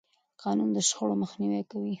قانون د شخړو مخنیوی کوي.